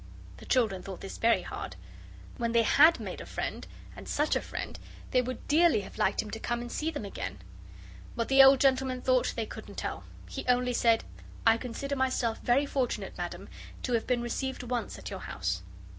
The children thought this very hard. When they HAD made a friend and such a friend they would dearly have liked him to come and see them again. What the old gentleman thought they couldn't tell. He only said: "I consider myself very fortunate, Madam, to have been received once at your house."